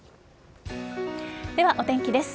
では、お天気です。